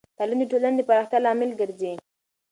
تعلیم د ټولنې د پراختیا لامل ګرځی.